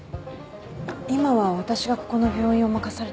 今は私がここの病院を任されてるんです。